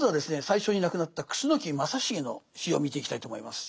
最初に亡くなった楠木正成の死を見ていきたいと思います。